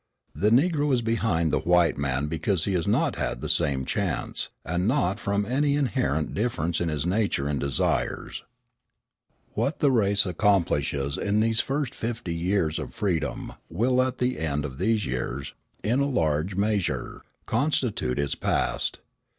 The Negro is behind the white man because he has not had the same chance, and not from any inherent difference in his nature and desires. What the race accomplishes in these first fifty years of freedom will at the end of these years, in a large measure, constitute its past.